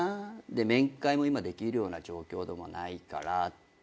面会も今できるような状況でもないからって。